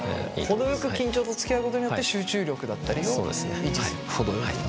程よく緊張とつきあうことによって集中力だったりを維持すると。